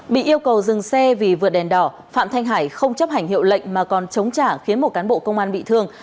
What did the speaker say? bị yêu cầu dừng xe vì vượt đèn đỏ phạm thanh hải không chấp hành hiệu lệnh mà còn chống trả khiến một cán bộ công an bị thương